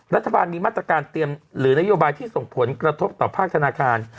รัฐบาลมีมาตรการเตรียมหรือนโยบายที่ส่งผลกระทบต่อภาคธนาคาร